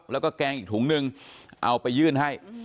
แล้วก็แกงอีกถุงนึงเอาไปยื่นให้